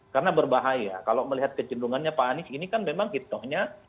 karena berbahaya kalau melihat kecenderungannya pak anies ini kan memang hitohnya